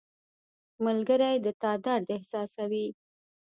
• ملګری د تا درد احساسوي.